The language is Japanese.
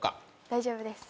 大丈夫です。